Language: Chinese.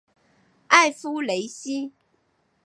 埃夫雷西。